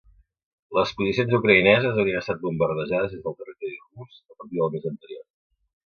Les posicions ucraïneses haurien estat bombardejades des del territori rus a partir del mes anterior.